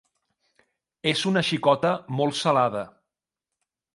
És una xicota molt salada.